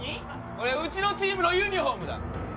これはうちのチームのユニホームだ！